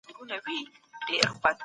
ژوند د انسان د پوهي لوړه ده